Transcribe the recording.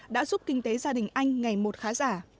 đã giúp kinh tế gia đình anh ngày một khá giả